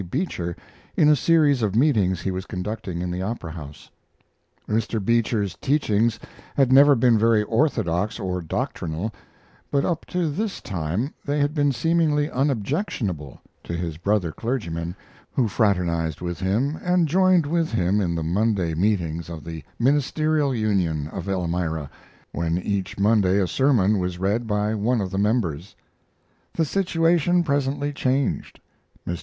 Beecher in a series of meetings he was conducting in the Opera House. Mr. Beecher's teachings had never been very orthodox or doctrinal, but up to this time they had been seemingly unobjectionable to his brother clergymen, who fraternized with him and joined with him in the Monday meetings of the Ministerial Union of Elmira, when each Monday a sermon was read by one of the members. The situation presently changed. Mr.